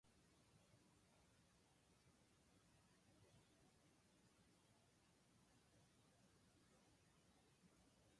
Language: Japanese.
上から下へ白くけぶった銀河帯のようなところを指さしながら